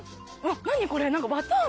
何これ？